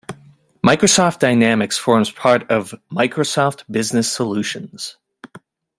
Microsoft Dynamics forms part of "Microsoft Business Solutions".